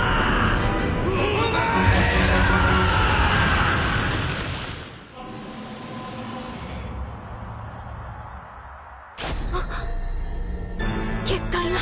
お前ら‼あっ結界が。